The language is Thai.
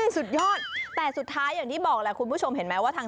สุดยอดแต่สุดท้ายอย่างที่บอกแหละคุณผู้ชมเห็นไหมว่าทาง